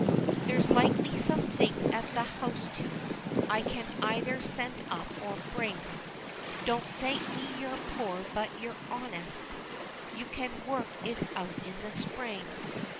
There's likely some things at the house, too, I can either send up, or bring, Don't thank me, you're poor but you're honest, You can work it out in the spring.